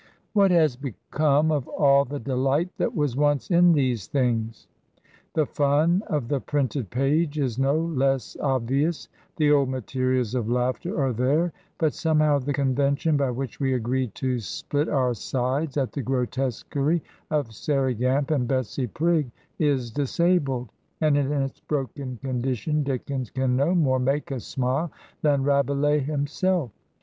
What has become of all the delight that was once in these things? The fun of the printed page is no less obvious; the old materials of laughter are there; but somehow the convention by which we agreed to split our sides at the grotesquery of Sairey Gamp and Betsey Prig is disabled, and in its broken condition Dickens can no more make us smile than Rabelais himself.